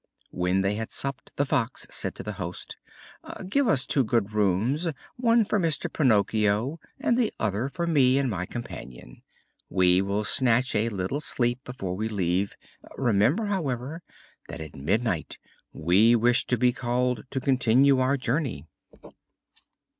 When they had supped, the Fox said to the host: "Give us two good rooms, one for Mr. Pinocchio, and the other for me and my companion. We will snatch a little sleep before we leave. Remember, however, that at midnight we wish to be called to continue our journey."